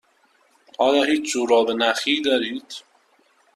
آیا هیچ جوراب نخی دارید؟